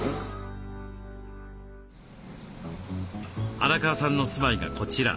荒川さんの住まいがこちら。